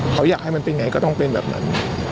เขาอยากให้มันเป็นไงก็ต้องเป็นแบบนั้น